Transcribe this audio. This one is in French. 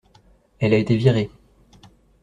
Elle a été virée.